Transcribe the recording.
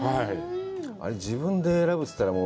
あれ、自分で選ぶっていったら。